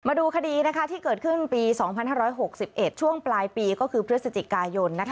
มาดูคดีที่เกิดขึ้นปี๒๕๖๑ช่วงปลายปีก็คือพฤศจิกายน